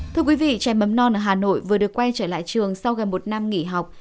thưa quý vị trẻ mầm non ở hà nội vừa được quay trở lại trường sau gần một năm nghỉ học